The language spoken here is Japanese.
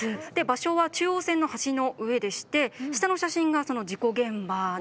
場所は中央線の橋の上でして下の写真がその事故現場なんですね。